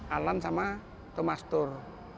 alan sama tomastur